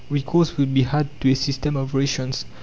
Recourse would be had to a system of rations.